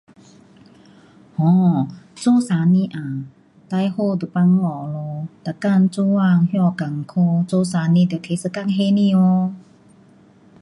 um 做生日啊多好就放假咯，每天做那幸苦，那要拿一天休息哦。